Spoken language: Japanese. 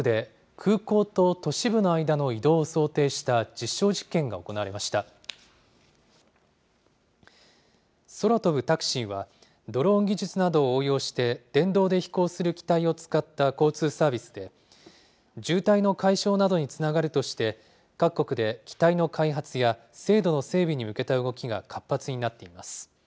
空飛ぶタクシーは、ドローン技術などを応用して、電動で飛行する機体を使った交通サービスで、渋滞の解消などにつながるとして、各国で機体の開発や、制度の整備に向けた動きが活発になっています。